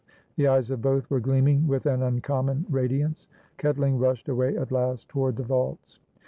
The eyes of both were gleaming with an uncommon radiance. Ketling rushed away at last toward the vaults.